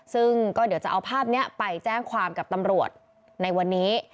ซึ่งก็เดี๋ยวจะเอาภาพนี้ไปแจ้งความกับตำรวจในวันนี้